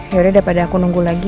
yaudah pada aku nunggu lagi